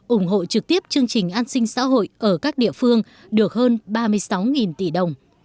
ủng hộ trực tiếp chương trình an sinh xã hội ở các địa phương được hơn ba mươi sáu tỷ đồng